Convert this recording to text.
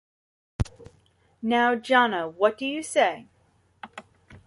Now, Jana, what do you say?